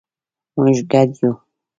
مونږ ګډ یو